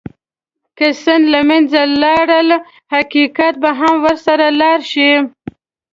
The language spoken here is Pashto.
که سند له منځه لاړ، حقیقت به هم ورسره لاړ شي.